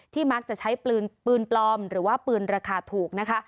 มักจะใช้ปืนปลอมหรือว่าปืนราคาถูกนะคะ